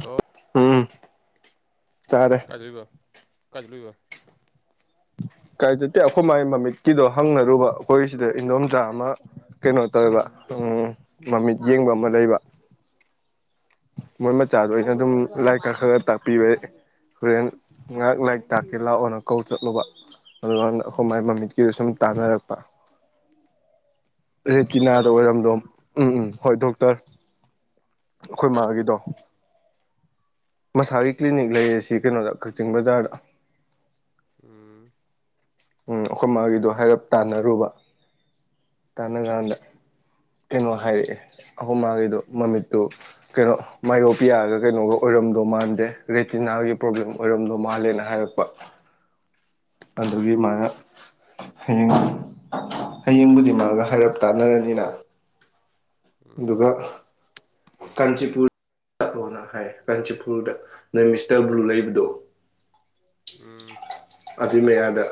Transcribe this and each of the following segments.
hello ꯎꯝ ꯆꯥꯔꯦ ꯀꯩꯕ ꯀꯥꯏ ꯆꯠꯂꯨꯏꯕ ꯀꯥꯏ ꯆꯠꯇ‌ꯦ ꯑꯩꯈꯣꯏ ꯃꯥꯒꯤ ꯃꯃꯤꯠꯀꯤꯗꯣ ꯍꯪꯅꯔꯨꯕ ꯑꯩꯈꯣꯏ ꯁꯤꯗ ꯏꯗꯣꯝꯆꯥ ꯑꯃ ꯀꯩꯅꯣ ꯇꯧꯋ‌ꯦꯕ ꯎꯝ ꯃꯃꯤꯠ ꯌꯦꯡꯕ ꯑꯃ ꯂꯩꯕ ꯃꯣꯏ ꯃꯆꯥꯗꯣ ꯑꯩꯅ ꯑꯗꯨꯝ ꯂꯥꯏꯔꯤꯛ ꯈꯔ ꯈꯔꯛ ꯇꯥꯛꯄꯤꯕꯩ ꯍꯨꯔꯦꯟ ꯉꯥꯛ ꯂꯥꯏꯔꯤꯛ ꯇꯥꯛꯀꯦ ꯂꯥꯛꯑꯣꯅ ꯀꯧ ꯆꯠꯂꯨꯕ ꯑꯗꯨꯉꯥꯡꯗ ꯈ‌ꯣꯏ ꯃꯥꯏ ꯃꯃꯤꯠꯀꯤꯗꯨ ꯁꯨꯝ ꯇꯥꯟꯅꯔꯛꯄ ꯔꯦꯠꯇꯤꯅꯥꯗ ꯗꯣꯛꯇꯔꯔꯕ ꯑꯣꯏꯔꯝꯗꯣ ꯎꯝ ꯎꯝ ꯍꯣꯏ ꯗꯣꯛꯇꯔ ꯑꯩꯈꯣꯏ ꯀꯥꯏꯗ ꯄꯨꯕ ꯃꯥꯒꯤꯗꯣ ꯃꯁꯥꯒꯤ ꯀ꯭ꯂꯤꯅꯤꯛ ꯂꯩꯌ‌ꯦ ꯁꯤ ꯀꯩꯅꯣꯗ ꯀꯛꯆꯤꯡ ꯕꯖꯥꯔꯗ ꯎꯝ ꯎꯝ ꯑꯩꯈꯣꯏ ꯃꯥꯒꯤꯗꯣ ꯍꯥꯏꯔꯞ ꯇꯥꯟꯅꯔꯨꯕ ꯇꯥꯟꯅ ꯀꯥꯟꯗ ꯀꯩꯅꯣ ꯍꯥꯏꯔꯛꯑꯦ ꯑꯈ‌ꯣꯏ ꯃꯥꯒꯤꯗꯣ ꯃꯃꯤꯠꯇꯨ ꯀꯩꯅꯣ ꯃꯥꯏꯌꯣꯄꯤꯌꯥꯒ ꯀꯩꯅꯣꯒ ꯑꯣꯏꯔꯝꯗꯣ ꯃꯥꯟꯗꯦ ꯔꯦꯇꯤꯅꯥꯒꯤ ꯄ꯭ꯔꯣꯕ꯭ꯂꯦꯝ ꯑꯣꯏꯔꯝꯗꯣ ꯃꯥꯜꯂꯦꯅ ꯍꯥꯏꯔꯛꯄ ꯑꯗꯨꯒꯤ ꯃꯥꯅ ꯍꯌꯦꯡ ꯍꯌꯦꯡꯕꯨꯗꯤ ꯃꯥꯒ ꯍꯥꯏꯔꯞ ꯇꯥꯟꯅꯔꯅꯤꯅ ꯑꯗꯨꯒ ꯎꯝ ꯀꯥꯟꯆꯤꯄꯨꯔ ꯆꯠꯂꯣꯅ ꯍꯥꯏ ꯀꯥꯟꯆꯤꯄꯨꯔꯗ ꯅꯣꯏ ꯃꯤꯁꯇꯔ ꯕ꯭ꯂꯨ ꯂꯩꯕꯗꯣ ꯎꯝ ꯑꯗꯨꯏ ꯃꯌꯥꯗ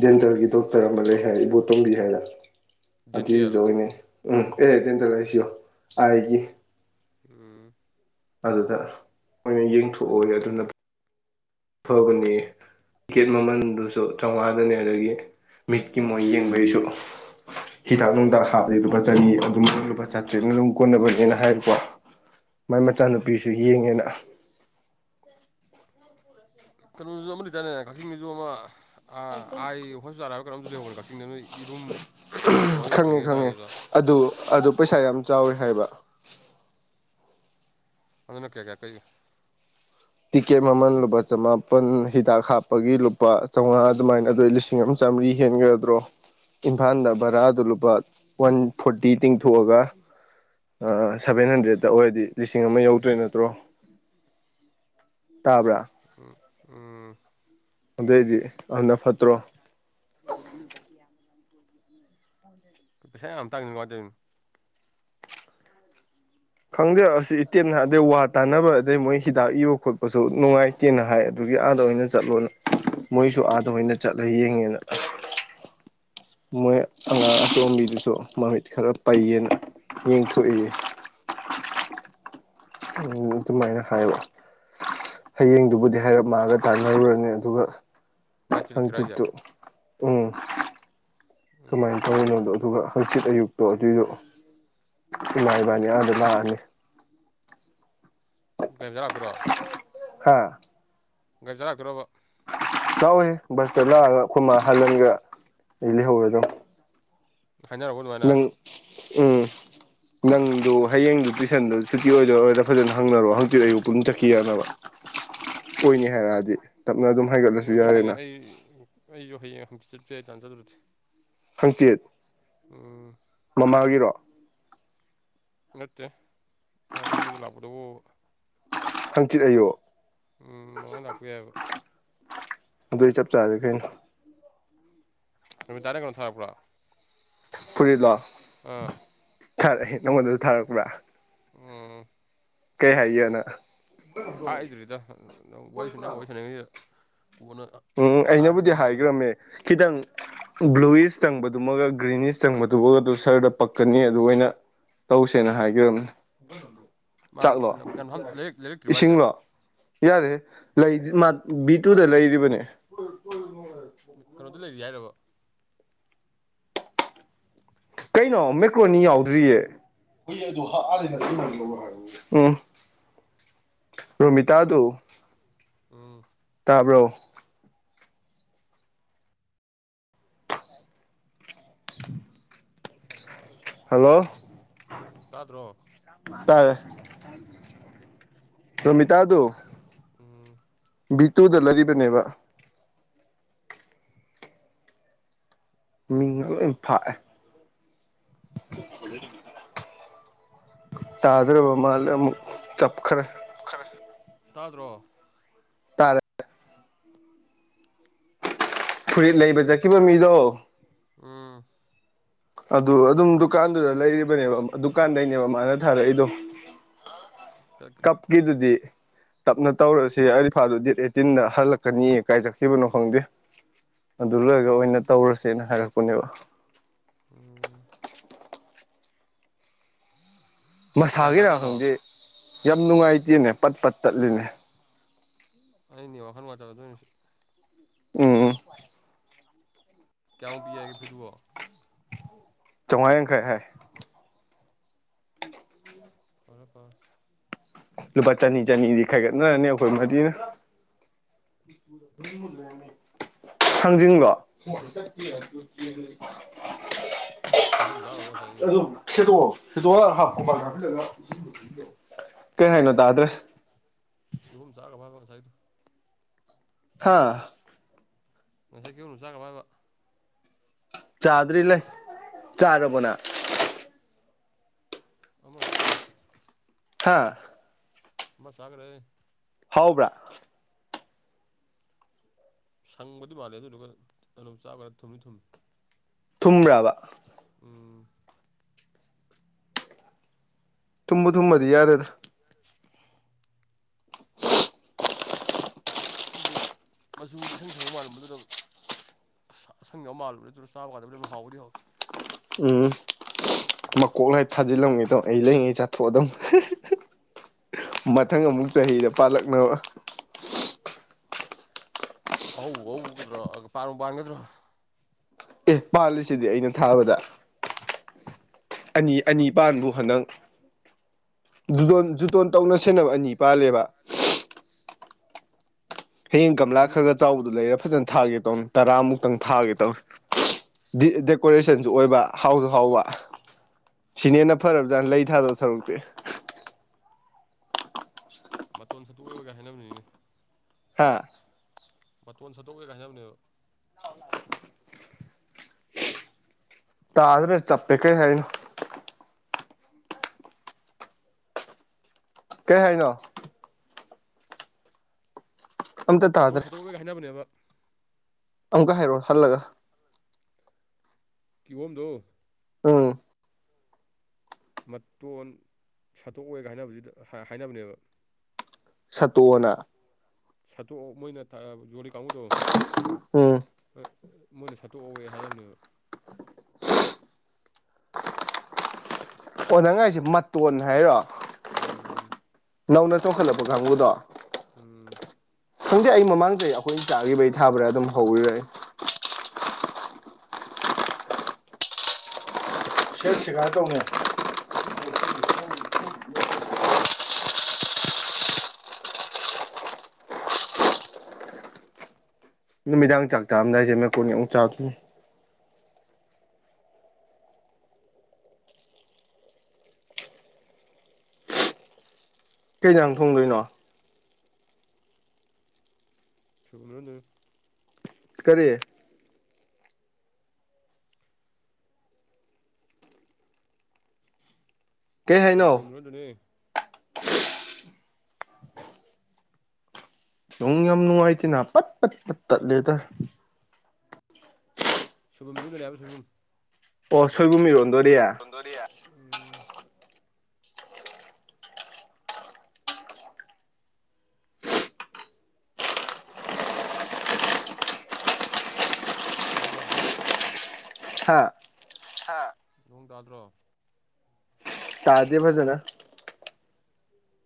ꯗ‌ꯦꯟꯇꯔꯒꯤ ꯗꯣꯛꯇꯔ ꯑꯃ ꯂꯩ ꯍꯥꯏꯌ‌ꯦ ꯏꯕꯣꯇꯣꯝꯕꯤ ꯍꯥꯏꯅ ꯗꯦꯟꯇꯦꯜ ꯑꯗꯨꯏꯗꯨꯗ ꯑꯣꯏꯅ ꯎꯝ ꯑꯦ ꯗ‌ꯦꯟꯇꯔ ꯍꯥꯏꯁꯤ ꯌ‌ꯦꯡꯉ‌ꯣ ꯑꯥꯏꯒꯤ ꯎꯝ ꯑꯗꯨꯗ ꯃꯣꯏ ꯑꯣꯏꯅ ꯌꯦꯡꯊꯣꯛꯑꯣ ꯑꯗꯨꯅ ꯐꯒꯅꯤꯌꯦ ꯒꯦꯠ ꯃꯃꯜꯗꯨꯁꯨ ꯆꯥꯝꯃꯉꯥꯗꯅꯦ ꯑꯗꯒꯤ ꯃꯤꯠꯀꯤ ꯃꯣꯏ ꯌꯦꯡꯕꯩꯁꯨ [inaudible] ꯍꯤꯗꯥꯛ ꯅꯨꯡꯗꯥꯛ ꯍꯥꯞꯄꯩ ꯂꯨꯄꯥ ꯆꯅꯤ ꯑꯗꯨꯝ ꯂꯨꯄꯥ ꯆꯥꯇ꯭ꯔꯦꯠꯅ ꯑꯗꯨꯝ ꯀꯣꯟꯅꯕꯅꯦꯅ ꯍꯥꯏꯔꯀꯣ ꯃꯥꯏ ꯃꯆꯥꯅꯨꯄꯤꯁꯨ ꯌꯦꯡꯉꯦꯅ ꯀꯩꯅꯣꯁꯨ ꯑꯃ ꯂꯩꯇꯥꯅꯦ ꯀꯛꯆꯤꯡꯒꯤꯁꯨ ꯑꯃ ꯑꯥꯏ ꯍꯣꯁꯄꯤꯇꯥꯜ ꯀꯔꯝꯇ ꯂꯩꯧꯕꯣ ꯀꯛꯆꯤꯡꯗ ꯅꯣꯏ ꯏꯔꯨꯝ ꯀꯩꯅꯣ ꯈꯪꯉꯦ ꯌꯧꯗ꯭ꯔꯤꯉꯩꯗꯗꯥꯏ ꯈꯪꯉꯦ ꯑꯗꯨꯗ ꯑꯗꯨ ꯑꯗꯨ ꯄꯩꯁꯥ ꯌꯥꯝ ꯆꯥꯎꯋꯤ ꯍꯥꯏꯕ ꯑꯗꯨꯅ ꯀꯌꯥ ꯀꯌꯥ ꯀꯔꯤ ꯇꯤꯛꯀꯦꯠ ꯃꯃꯜ ꯂꯨꯄꯥ ꯆꯃꯥꯄꯜ ꯍꯤꯗꯥꯛ ꯍꯥꯞꯄꯒꯤ ꯂꯨꯄꯥ ꯆꯥꯝꯃꯉꯥ ꯑꯗꯨꯃꯥꯏꯅ ꯑꯗꯨ ꯂꯤꯁꯤꯡ ꯂꯤꯁꯤꯡ ꯑꯃ ꯆꯥꯝꯃꯔꯤ ꯍꯦꯟꯒ꯭ꯔꯗ꯭ꯔꯣ ꯏꯝꯐꯥꯜꯗ ꯚꯔꯥꯗꯨ ꯂꯨꯄꯥ ꯋꯥꯟ ꯐꯣꯔꯇꯤ ꯇꯤꯡꯊꯣꯛꯑꯒ ꯁꯚꯦꯟ ꯍꯟꯗ꯭ꯔꯦꯗꯠꯇ ꯑꯣꯏꯔꯗꯤ ꯂꯤꯁꯤꯡ ꯑꯃ ꯌꯧꯗ꯭ꯔꯦ ꯅꯠꯇ꯭ꯔꯣ ꯇꯥꯕ꯭ꯔꯥ ꯎꯝ ꯎꯝ ꯑꯗꯨꯗꯏꯗꯤ ꯑꯅ ꯐꯠꯇ꯭ꯔꯣ ꯑꯗꯨ ꯄꯩꯁꯥ ꯌꯥꯝ ꯇꯥꯡꯅꯤꯡꯅ ꯀꯃꯥꯏ ꯇꯧꯔꯤꯅꯤ ꯈꯪꯖꯔꯛꯑꯁꯨ ꯏꯇꯦ ꯑꯗꯩ ꯋꯥ ꯇꯥꯅꯕ ꯑꯗꯩ ꯃꯣꯏ ꯍꯤꯗꯥꯛ ꯏꯕ ꯈꯣꯠꯄꯁꯨ ꯅꯨꯡꯉꯥꯏ ꯀꯦꯅ ꯍꯥꯏ ꯑꯗꯨꯒꯤ ꯑꯥꯗ ꯑꯣꯏꯅ ꯆꯠꯂꯣꯅ ꯃꯣꯏꯁꯨ ꯑꯥꯗ ꯑꯣꯏꯅ ꯆꯠꯂ ꯌꯦꯡꯉꯦꯅ ꯃꯣꯏ ꯑꯉꯥꯡ ꯑꯆꯣꯝꯕꯤꯗꯨꯁꯨ ꯃꯃꯤꯠ ꯈꯔ ꯄꯩꯌꯦꯅ ꯌꯦꯡꯊꯣꯛꯏ ꯎ ꯑꯗꯨꯃꯥꯏꯅ ꯍꯥꯏꯕ ꯍꯌꯦꯡꯗꯨꯕꯨꯗꯤ ꯍꯥꯏꯔꯞꯃꯒ ꯇꯥꯟꯅꯔꯨꯔꯅꯤ ꯑꯗꯨꯒ ꯃꯥꯏ ꯀ꯭ꯂꯤꯅꯤꯛꯇꯨꯔ ꯍꯥꯏꯁꯦ ꯍꯪꯁꯤꯨ ꯎꯝ ꯎꯝ ꯀꯃꯥꯏꯅ ꯇꯧꯔꯤꯅꯣꯗꯣ ꯑꯗꯨꯒ ꯍꯪꯆꯤꯠ ꯑꯌꯨꯛ ꯇꯣ ꯑꯗꯨꯏꯗꯣ ꯏꯃꯥ ꯏꯕꯥꯅꯤ ꯑꯥꯗ ꯂꯥꯛꯑꯒꯦ ꯒꯥꯔꯤ ꯗꯥ ꯂꯛꯇꯨꯔꯣ ꯍꯥꯥ ꯒꯥꯔꯤ ꯆꯥꯔꯛꯀꯗ꯭ꯔꯣꯕ ꯂꯥꯛꯋꯦ ꯕꯁꯇ ꯂꯥꯛꯑꯒ ꯑꯩꯈꯣꯏꯃ ꯍꯜꯍꯟꯒ ꯑꯩ ꯂꯩꯍꯧꯔꯦ ꯑꯗꯨꯝ ꯍꯥꯏꯅꯔꯔꯕ ꯑꯗꯨꯃꯥꯏꯅ ꯎꯝ ꯅꯪꯗꯨꯣ ꯍꯌꯦꯡꯗꯨ ꯇꯨꯏꯁꯟꯗꯨꯣ ꯁꯨꯤ ꯑꯣꯏꯗꯔꯥ ꯐꯖꯅ ꯍꯪꯅꯔꯣ ꯍꯪꯆꯤ ꯑꯌꯨꯛ ꯄꯨꯝ ꯆꯠꯈꯤ ꯌꯥꯅꯕ [inaudible] ꯑꯣꯏꯅꯤ ꯍꯥꯏꯔꯛꯑꯗꯤ ꯇꯞꯅ ꯑꯗꯨꯝ ꯍꯥꯏꯒꯠꯂꯁꯨ ꯑꯣꯏꯕ ꯅꯠꯇꯦꯅꯦ ꯌꯥꯔꯦꯅ ꯑꯩ ꯑꯩꯁꯨ ꯍꯌꯦꯡ ꯍꯪꯆꯤꯆꯠꯄ ꯌꯥꯏ ꯇꯥꯟꯖꯗ꯭ꯔꯗꯤ ꯍꯪꯆꯦꯠ ꯎꯝ ꯃꯃꯥꯒꯤꯔꯣ ꯅꯠꯇꯦ ꯑꯦꯃꯤꯗꯨ ꯂꯥꯛꯗꯕꯨ ꯍꯪꯆꯤꯠ ꯑꯩꯌꯨ ꯎꯝ ꯃꯉꯥꯅꯤ ꯂꯥꯛꯄ ꯌꯥꯏꯑꯕ ꯑꯗꯨ ꯑꯩ ꯆꯞ ꯆꯥꯔꯦ ꯀꯩꯅꯣ ꯅꯨꯃꯤꯗꯥ ꯇꯔꯦꯛꯅ ꯁꯥꯛꯄ꯭ꯔꯥ ꯐꯨꯔꯤꯂꯣ ꯑꯥ ꯊꯥꯔꯛꯑꯦ ꯅꯪꯉꯣꯟꯗꯁꯨ ꯊꯥꯔꯛꯄ꯭ꯔꯥ ꯎꯝ ꯀꯩ ꯍꯥꯏꯒꯦꯅ ꯍꯥꯏꯗ꯭ꯔꯤꯗ ꯅꯪꯁꯤ ꯅꯪ ꯋꯥꯔꯤꯁꯟꯅꯤꯡꯉꯤꯗ ꯄꯅ ꯎꯝ ꯑꯩꯅꯕꯨꯗꯤ ꯍꯥꯏꯈ꯭ꯔꯝꯃꯦ ꯈꯤꯇꯪ ꯕ꯭ꯂꯨꯋꯤꯁ ꯆꯪꯕꯗꯨꯃꯒ ꯒ꯭ꯔꯤꯟꯤꯁ ꯆꯪꯕꯗꯨꯃꯒꯗꯨ ꯁꯔꯗ ꯄꯛꯀꯅꯤ ꯑꯗꯨ ꯑꯣꯏꯅ ꯇꯧꯁꯦꯅ ꯍꯥꯏꯒꯕꯅꯤ ꯃꯥ ꯆꯥꯛꯂꯣ ꯀꯩꯅꯣ ꯂꯩꯔꯛꯇ꯭ꯔꯤꯕ ꯍꯥꯏꯁꯦ ꯏꯁꯤꯡꯂꯣ ꯌꯥꯔꯦ ꯕꯤ ꯇꯨꯗ ꯂꯩꯔꯤꯕꯅꯦ ꯀꯩꯅꯣꯗ ꯂꯩꯔꯤ ꯍꯥꯏꯔꯕꯣ ꯀꯩꯅꯣ ꯃꯦꯀ꯭ꯔꯣꯅꯤ ꯌꯥꯎꯗ꯭ꯔꯤꯌꯦ ꯍꯨꯏ ꯑꯗꯨꯣ ꯍꯥꯛꯑꯅꯤꯅ ꯂꯧ ꯍꯥꯏꯕ ꯎ ꯔꯣꯃꯤꯇꯥ ꯇ ꯎꯝ ꯇꯥꯕ꯭ꯔꯣ [inaudible] ꯍꯜꯂꯣ ꯇꯥ ꯭ꯔꯣ ꯇꯥꯌꯦ ꯔꯣꯃꯤꯇꯥꯗꯨ ꯎꯝ ꯕꯤ ꯇꯨꯗ ꯂꯩꯔꯤꯕꯅꯦꯕ ꯎꯝ ꯃꯤꯡꯒ ꯂꯣꯏ ꯐꯥꯛꯑꯦ ꯇꯥꯗꯔꯕ ꯃꯥꯟꯂꯦ ꯑꯃꯨꯛ ꯆꯞꯈꯔ ꯇꯥꯗ꯭ꯔꯣ ꯇꯔꯦ ꯐꯨꯔꯤꯠ ꯂꯩꯕ ꯆꯠꯈꯤꯕ ꯃꯤꯗꯣ ꯎꯝ ꯑꯗꯨ ꯑꯗꯨꯝ ꯗꯨꯀꯥꯟꯗꯨꯗ ꯂꯩꯔꯤꯕꯅꯦꯕ ꯗꯨꯀꯥꯟꯗꯩꯅꯦꯕ ꯃꯥꯅ ꯊꯥꯔꯛꯏꯗꯣ [unintelligible] ꯀꯞꯀꯤꯗꯨꯤꯗꯤ ꯇꯞꯅ ꯇꯧꯔꯁꯦ ꯑꯩꯗꯤ ꯐꯥꯗ ꯗꯦꯠ ꯑꯩꯠꯇꯤꯟꯗ ꯍꯜꯂꯛꯀꯅꯤ ꯀꯥꯏꯖꯈꯤꯕꯅꯣ ꯈꯪꯗꯦ ꯑꯗꯨ ꯂꯣꯏꯔꯒ ꯑꯣꯏꯅ ꯇꯧꯔꯁꯦꯅ ꯍꯥꯏꯔꯛꯄꯅꯦꯕ ꯎꯝ ꯀꯌꯥ ꯃꯁꯥꯒꯤ ꯔꯥ ꯇꯥꯖꯥꯠꯅꯣ ꯈꯪꯗꯦ ꯌꯥꯝ ꯅꯨꯡꯉꯥꯏꯇꯦꯅꯦ ꯄꯠ ꯄꯠ ꯇꯠꯂꯤꯅꯦ ꯑꯩꯅꯤ ꯋꯥꯈꯜ ꯃꯗ ꯎꯝ ꯀꯌꯥꯃꯨꯛ ꯄꯤꯏꯒꯦ ꯐꯤꯑꯣꯣ ꯆꯥꯝꯉ ꯌꯥꯡꯈꯩ ꯍꯥꯏ ꯐꯔꯣ ꯐꯥꯎ ꯂꯨꯄꯥ ꯆꯅꯤ ꯆꯅꯤꯗꯤ ꯈꯥꯏꯒꯠꯅꯔꯅꯤ ꯑꯩꯈꯣꯏ ꯃꯗꯤꯅ ꯊꯥꯡꯖꯅꯤꯡꯕꯣ ꯀꯤꯍꯣꯝ ꯆꯥꯔꯨꯕ ꯉꯥꯁꯥꯏꯒꯩ ꯁꯦꯗꯣꯑꯣ ꯁꯦꯗꯣꯑꯣ ꯍꯥ ꯀꯣꯝꯄꯥꯛꯇ ꯍꯥꯞꯆꯤꯜꯂꯒ ꯀꯩ ꯍꯥꯏꯅꯣ ꯇꯥꯗ꯭ꯔꯦ ꯀꯤꯍꯣꯝ ꯆꯥꯒ꯭ꯔꯕ ꯍꯥꯏꯕ ꯉꯥꯁꯥꯏꯗꯣ ꯍꯥꯥ ꯉꯁꯥꯏ ꯀꯤꯍꯣꯝꯗꯨ ꯆꯥ ꯈ꯭ꯔꯕ ꯍꯥꯏꯕ ꯆꯥꯗ꯭ꯔꯤ ꯂꯩ ꯆꯥꯔꯕꯣ ꯅꯪ ꯑꯃ ꯆꯥꯒ꯭ꯔꯦ ꯍꯥꯥ ꯑꯃ ꯆꯥꯒ꯭ꯔꯦ ꯍꯥꯎꯕ꯭ꯔꯥ ꯁꯪꯕꯗꯤ ꯃꯥꯜꯂꯦ ꯑꯗꯨꯗꯨꯒ ꯇꯂꯞ ꯆꯥꯕꯩꯔ ꯊꯨꯝꯅꯤ ꯊꯨꯝꯃꯤ ꯊꯨꯝꯕ꯭ꯔꯥꯕ ꯎꯝ ꯊꯨꯝꯕꯨ ꯊꯨꯝꯃꯗꯤ ꯌꯥꯔꯦꯗ ꯍꯥꯏꯗꯤ ꯃꯆꯨꯗꯨ ꯏꯁꯪ ꯁꯪꯕ ꯃꯥꯟꯕꯗꯨꯗ ꯑꯁ ꯑꯁꯪꯕ ꯃꯥꯜꯂꯨꯔꯦ ꯑꯗꯨꯒ ꯆꯥꯕ ꯀꯥꯟꯗꯕꯨꯗꯤ ꯑꯗꯨꯝ ꯍꯥꯎꯕꯨꯗꯤ ꯍꯥꯎꯏ ꯎꯝ [unintelligible] ꯃꯀꯣꯛ ꯑꯥꯢ ꯊꯥꯖꯤꯜꯂꯝꯒꯦ ꯇꯧꯅꯤ ꯑꯩ ꯂꯩꯉꯩ ꯆꯥꯊꯣꯛꯑꯗꯧꯅꯤ ꯃꯊꯪ ꯑꯃꯨꯛ ꯆꯍꯤꯗ ꯄꯥꯜꯂꯛꯅꯕ ꯍꯧꯕꯨ ꯍꯧꯒꯗ꯭ꯔꯣ ꯄꯥꯟꯕꯨ ꯄꯥꯟꯒꯗ꯭ꯔꯣ ꯑꯦ ꯄꯥꯜꯂꯤꯁꯤꯗꯤ ꯑꯩꯅ ꯊꯥꯕꯗ ꯑꯅꯤ ꯑꯅꯤ ꯄꯥꯟꯕꯨ ꯍꯟꯗꯛ ꯖꯨꯇꯣꯟ ꯖꯨꯇꯣꯟ ꯇꯧꯅ ꯁꯦꯟꯅꯕ ꯑꯅꯤ ꯄꯥꯜꯂꯦꯕ ꯁꯤ [unintelligible] ꯍꯌꯦꯡ ꯒꯝꯂꯥ ꯈꯔꯒ ꯆꯥꯎꯕꯗꯣ ꯂꯩꯔ ꯐꯖꯅ ꯊꯥꯒꯦ ꯇꯧꯅꯤ ꯇꯔꯥꯃꯨꯛꯇꯪ ꯊꯥꯒꯦ ꯇꯧꯅꯤ ꯗꯦꯀꯣꯔꯦꯁꯟꯁꯨ ꯑꯣꯏꯕ ꯍꯧꯍꯧꯕ ꯁꯤꯅ ꯍꯦꯟꯅꯥ ꯐꯔꯕ ꯖꯥꯠꯅ ꯂꯩ ꯊꯥꯗꯣ ꯁꯔꯨꯛꯇꯦ ꯃꯇꯣꯟ ꯁꯠꯇꯣꯛ [unintelligible] ꯍꯥꯏꯅꯕꯅꯤꯅꯦ ꯍꯥꯥ ꯃꯇꯣꯟ ꯁꯠꯇꯣꯛꯎ ꯀꯥꯏꯅ ꯍꯥꯌꯅꯥꯕꯅꯦꯕ ꯇꯥꯗ꯭ꯔꯦ ꯆꯞꯄꯦ ꯀꯩ ꯍꯥꯏꯔꯤꯅꯣ ꯀꯩ ꯍꯥꯏꯅꯣ ꯑꯝꯇ ꯇꯥꯗ꯭ꯔꯦ ꯃꯇꯣꯟ ꯁꯠꯇꯣꯛꯄꯒ ꯍꯥꯏꯅꯕꯅꯦꯕ ꯑꯃꯨꯛꯀ ꯍꯥꯏꯔꯣꯛ ꯍꯜꯂꯒ ꯀꯤꯍꯣꯝꯗꯣ ꯎꯝ ꯃꯇꯣꯟ ꯁꯥꯠꯇꯣꯛꯑꯣꯒ ꯍꯥꯏꯅꯕꯁꯤꯗꯥ ꯍꯥꯏꯅꯕꯅꯦꯕ ꯁꯠꯇꯣꯛꯑꯣꯅ ꯁꯠꯇꯣꯛꯑꯣ ꯃꯣꯏꯅ ꯀꯥ ꯌꯣꯜꯂꯤ ꯀꯥꯡꯕꯨꯨꯗꯣ [unintelligible] ꯎꯝ ꯃꯣꯏꯅ ꯁꯥꯠꯇꯣꯑꯧꯑꯦ ꯍꯥꯏꯕꯅꯦꯕ ꯑꯣ ꯅꯪꯅꯥ ꯍꯥꯏꯁꯦ ꯃꯇꯣꯟ ꯍꯥꯏꯔꯣ ꯎꯝ ꯅꯧꯅ ꯆꯣꯡꯈꯠꯂꯛꯄ ꯀꯥꯡꯕꯨꯗꯣ ꯎꯝ ꯈꯪꯗꯦ ꯑꯩ ꯃꯃꯥꯡ ꯆꯍꯤ ꯑꯩꯈꯣꯏꯅ ꯆꯥꯒꯤꯕꯩ ꯊꯥꯕꯔꯥꯏ ꯑꯗꯨꯝ ꯍꯧꯔꯤ ꯑꯥꯢ ꯁꯤ [unintelligible] ꯇꯧꯅꯦ ꯅꯨꯃꯤꯗꯥꯡ ꯆꯥꯛ ꯆꯥꯔꯝꯗꯥꯏꯁꯦ ꯃꯦꯀꯣꯟꯅꯤ ꯑꯃꯨꯛ ꯆꯥ ꯗꯣꯏꯅꯤ ꯀꯩ ꯍꯤꯖꯥꯡ ꯊꯣꯡꯗꯣꯏꯅꯣ [unintelligible] ꯀꯔꯤ ꯀꯩ ꯁꯩ ꯍꯥꯏꯅꯣ [unintelligible] [unintelligible] ꯑꯗꯨꯅꯦ ꯌꯣꯡ ꯌꯥꯝ ꯅꯨꯡꯉꯥꯏꯇꯦꯅ ꯄꯠ ꯄꯠ ꯄꯠ ꯇꯠꯂꯦꯗꯥꯏ ꯁꯣꯏꯕꯨꯝ ꯏꯔꯣꯟꯗꯣꯏꯅꯦ ꯍꯥꯏꯕꯥ ꯁꯣꯏꯕꯨꯝ ꯑꯣ ꯁꯣꯏꯕꯨꯝ ꯏꯔꯣꯟꯗꯣꯔꯤ [unintelligible] ꯍꯥ ꯏꯔꯣꯟꯗꯣꯔꯤꯌꯦ ꯅꯣꯡ ꯇꯥꯗ꯭ꯔꯣ ꯍꯥ ꯍꯥ ꯅꯣꯡ ꯇꯥꯗ꯭ꯔꯣ ꯇꯥꯗꯦ ꯐꯖꯅ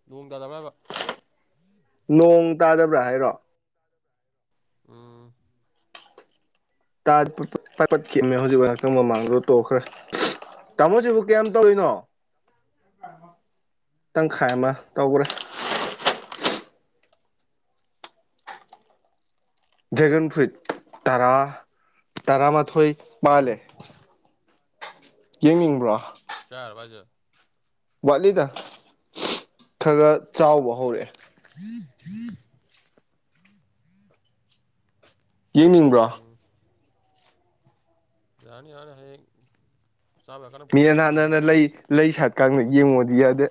ꯅꯣꯡ ꯇꯥꯗꯕ꯭ꯔꯥꯕ ꯅꯣꯡ ꯇꯥꯗꯕ꯭ꯔꯥ ꯍꯥꯏꯔꯣ ꯑꯥ ꯄꯠꯈꯤꯃꯦ ꯍꯧꯖꯤꯛ ꯋꯥ ꯉꯍꯥꯛꯇꯪ ꯃꯃꯥꯡꯗꯨꯗꯣ ꯇꯣꯛꯈ꯭ꯔꯦ ꯇꯥꯃꯣꯁꯤꯕꯨ ꯀꯌꯥꯝ ꯇꯧꯔꯤꯅꯣ ꯇꯪꯈꯥꯏ ꯑꯃ ꯇꯧꯈ꯭ꯔꯦ ꯗ꯭ꯔꯦꯒꯟ ꯐ꯭ꯔꯨꯏꯠ ꯇꯔꯥ ꯇꯔꯥꯃꯥꯊꯣꯏ ꯃꯥꯥꯜꯂꯦ ꯌꯦꯡꯅꯤꯡꯕ꯭ꯔꯣ ꯆꯔ ꯋꯥꯖꯦ ꯋꯥꯠꯂꯤꯗ ꯈꯔ ꯆꯥꯎꯕ ꯍꯧꯔꯛꯑꯦ ꯎ ꯎ [unintelligible] ꯌꯦꯡꯅꯤꯡꯕ꯭ꯔꯥ ꯌꯥꯅꯤ ꯌꯥꯅ ꯍꯌꯦꯡ ꯆꯥꯕ ꯌꯥꯔꯀꯥꯟꯗ ꯄꯨꯔꯛꯑꯣ ꯃꯤꯅ ꯑꯗꯨꯒ ꯅꯥꯥꯟ ꯌꯦꯡꯒꯦ ꯍꯅ ꯂꯩ ꯂꯩ ꯁꯥꯏꯠꯀꯗ ꯌꯦꯡꯉꯣꯗꯤ ꯌꯥꯗ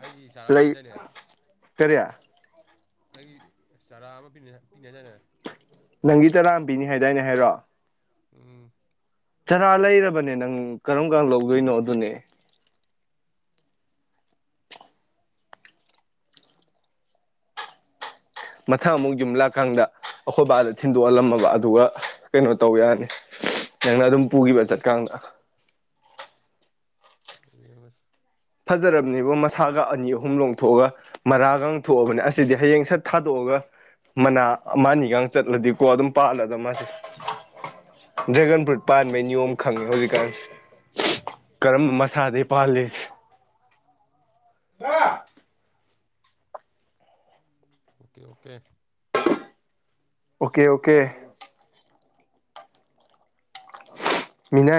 ꯑꯩꯒꯤ ꯆꯥꯔꯝꯕꯤꯗꯨꯗꯅꯦ ꯀꯔꯤꯌꯥ ꯑꯩ ꯆꯥꯔꯥ ꯑꯃ ꯄꯤꯅꯖꯥꯅ ꯅꯪꯒꯤ ꯇꯔꯥꯝꯕꯤꯅꯤ ꯍꯥꯏꯗꯥꯏꯅꯦ ꯍꯥꯏꯔꯣ ꯎꯝ ꯆꯔꯥ ꯂꯩꯔꯕꯅꯦ ꯅꯪ ꯀꯔꯝ ꯀꯥꯟ ꯂꯧꯗꯣꯏꯅꯣ ꯑꯗꯨꯅꯦ ꯃꯊꯥ ꯑꯃꯨꯛ ꯌꯨꯝꯂꯥꯀꯥꯡꯗ ꯑꯩꯈꯣꯏ ꯕꯥꯗ ꯊꯤꯟꯗꯣꯛꯍꯜꯂꯝꯃꯕ ꯑꯗꯨꯒ ꯀꯩꯅꯣ ꯇꯧ ꯌꯥꯅꯤ ꯅꯪꯅ ꯑꯗꯨꯝ ꯄꯨꯈꯤꯕ ꯆꯠꯀꯥꯟꯗ ꯌꯦꯁ ꯐꯖꯔꯕꯅꯦꯕ ꯃꯁꯥꯒ ꯑꯅꯤ ꯑꯍꯨꯝ ꯂꯣꯡꯊꯣꯛꯑꯒ ꯃꯔꯥꯒ ꯊꯣꯛꯑꯕꯅꯦ ꯑꯁꯤꯗꯤ ꯍꯌꯦꯡ ꯁꯠ ꯊꯥꯗꯣꯛꯑꯒ ꯃꯅꯥ ꯃꯥꯅꯤꯒ ꯆꯠꯂꯗꯤꯀꯣ ꯑꯗꯨꯝ ꯄꯥꯜꯂꯗ ꯃꯥꯁꯦ ꯗ꯭ꯔꯦꯒꯟ ꯐ꯭ꯔꯨꯠ ꯄꯥꯠꯃꯦ ꯅꯤꯌꯣꯝ ꯈꯪꯉꯦ ꯍꯧꯖꯤꯛꯀꯥꯟ ꯀꯔꯝ ꯃꯁꯥꯗꯤ ꯄꯥꯜꯂꯤꯁꯦ ꯀ ꯑꯣꯀꯦ ꯑꯣꯀꯦ ꯑꯣꯀꯦ ꯑꯣꯀꯦ ꯃꯤꯅꯥ